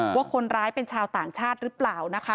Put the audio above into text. ว่าคนร้ายเป็นชาวต่างชาติหรือเปล่านะคะ